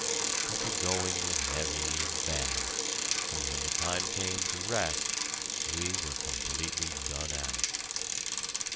But the going was heavy and bad, and when the time came to rest, we were completely done out.